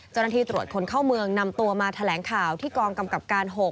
เจ้าหน้าที่ตรวจคนเข้าเมืองนำตัวมาแถลงข่าวที่กองกำกับการ๖